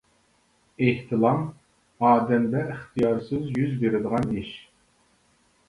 ئېھتىلام ئادەمدە ئىختىيارسىز يۈز بېرىدىغان ئىش.